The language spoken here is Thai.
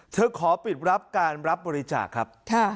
ขอปิดรับการรับบริจาคครับ